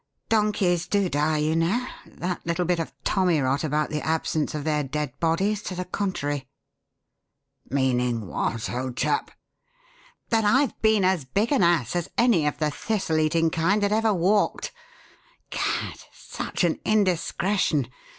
"Donkeys do die, you know that little bit of tommyrot about the absence of their dead bodies to the contrary." "Meaning what, old chap?" "That I've been as big an ass as any of the thistle eating kind that ever walked. Gad! such an indiscretion!